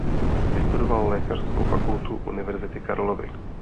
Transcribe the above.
Vystudoval lékařskou fakultu Univerzity Karlovy.